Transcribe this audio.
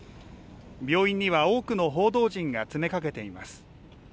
病院には多くの報道陣が詰めかけています。